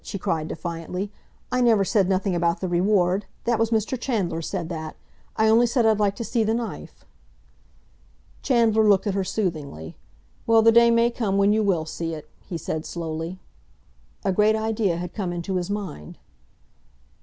she cried defiantly. "I never said nothing about the reward. That was Mr. Chandler said that! I only said I'd like to see the knife." Chandler looked at her soothingly. "Well, the day may come when you will see it," he said slowly. A great idea had come into his mind.